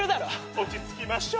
落ち着きましょう。